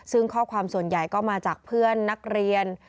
ซึ่งข้อความส่วนใหญ่ก็มาจากเพื่อนนักเรียน